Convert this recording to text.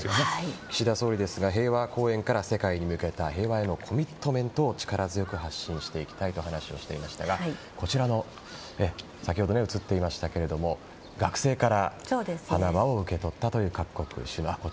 岸田総理ですが平和公園から世界に向けた平和へのコミットメントを力強く発信していきたいと話をしていましたが先ほど映っていました学生から学生から花輪を受け取ったという各国首脳。